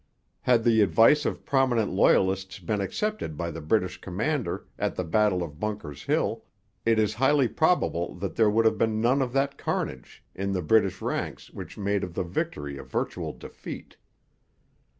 Had the advice of prominent Loyalists been accepted by the British commander at the battle of Bunker's Hill, it is highly probable that there would have been none of that carnage in the British ranks which made of the victory a virtual defeat.